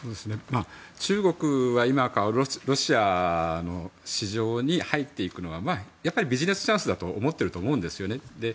中国は今、ロシアの市場に入っていくのはビジネスチャンスだと思ってると思うんですよね。